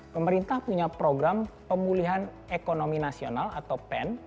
pemerintah punya program pemulihan ekonomi nasional atau pen